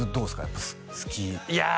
やっぱ好きいや